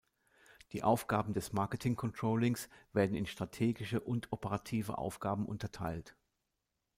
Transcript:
Die Aufgaben des Marketing-Controllings werden in strategische und operative Aufgaben unterteilt.